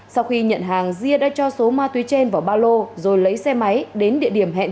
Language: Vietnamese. sau khi nhận hàng dia đã cho số ma túy trên vào ba lô rồi lấy xe máy đến địa điểm hẹn